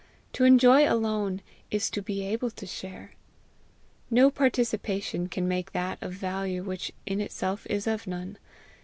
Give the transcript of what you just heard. To enjoy alone is to be able to share. No participation can make that of value which in itself is of none.